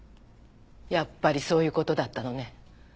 やっぱりそういう事だったのね。